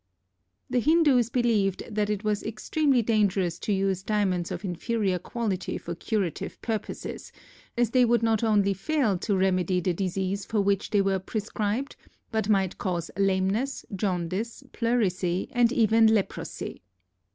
The Hindus believed that it was extremely dangerous to use diamonds of inferior quality for curative purposes, as they would not only fail to remedy the disease for which they were prescribed, but might cause lameness, jaundice, pleurisy, and even leprosy.